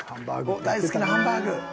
大好きなハンバーグ。